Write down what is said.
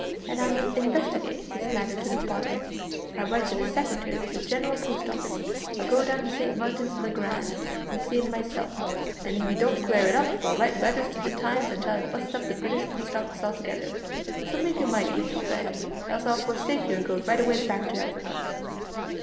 and I'll investigate this matter to the bottom. I'll write to the Secretary of the General Post Office. I'll go down to St. Martin's le Grand and see him myself, and if he don't clear it up I'll write letters to the Times until I bu'st up the British Post Office altogether; so make your mind easy, Fred, else I'll forsake you and go right away back to Africa."